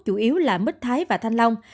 chủ yếu là mít thái và thanh long